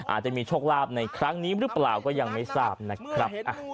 อาจจะมีโชคลาภในครั้งนี้หรือเปล่าก็ยังไม่ทราบนะครับ